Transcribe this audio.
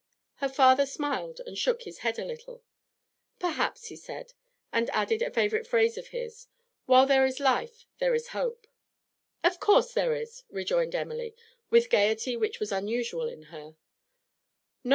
Her father smiled and shook his head a little. 'Perhaps,' he said; and added a favourite phrase of his, 'while there is life there is hope.' 'Of course there is,' rejoined Emily, with gaiety which was unusual in her.